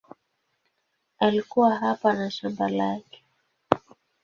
Alikuwa hapa na shamba lake.